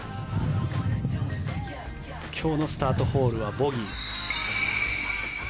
今日のスタートホールはボギー。